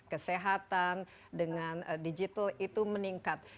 kesehatan dengan digital itu meningkat